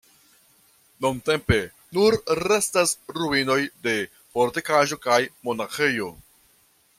Nuntempe nur restas ruinoj de fortikaĵo kaj monaĥejo.